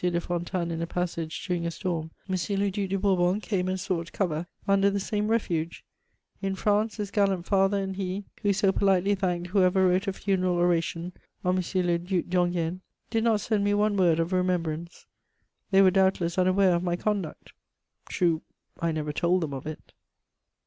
de Fontanes in a passage during a storm, M. le Duc de Bourbon came and sought cover under the same refuge: in France, his gallant father and he, who so politely thanked whoever wrote a funeral oration on M. le Duc d'Enghien, did not send me one word of remembrance; they were doubtless unaware of my conduct: true, I never told them of it.